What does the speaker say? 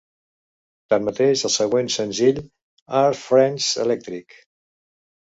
Tanmateix, el següent senzill, "Are 'Friends' Electric?"